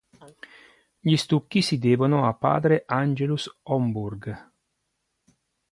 Gli stucchi si devono a padre Angelus Homburg.